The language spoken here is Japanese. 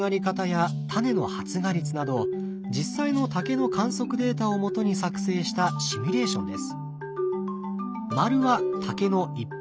実際の竹の観測データをもとに作成したシミュレーションです。